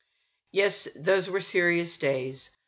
Yes, those were serious days.